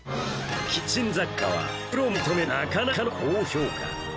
キッチン雑貨はプロも認めるなかなかの高評価